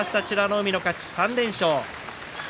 海の勝ち、３連勝。